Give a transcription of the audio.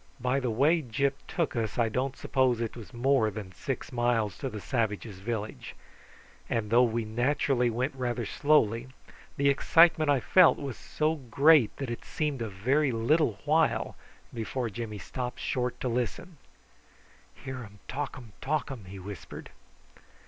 By the way Gyp took us I don't suppose it was more than six miles to the savages' village; and though we naturally went rather slowly, the excitement I felt was so great that it seemed a very little while before Jimmy stopped short to listen. "Hear um talkum talkum," he whispered.